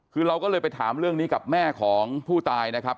คือเราก็เลยไปถามเรื่องนี้กับแม่ของผู้ตายนะครับ